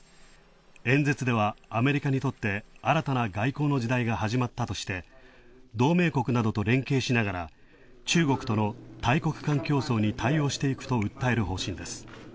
演説ではアメリカにとって新たな外交の時代が始まったとして、同盟国と連携しながら、中国との大国間競争に対応していくと訴える方針です。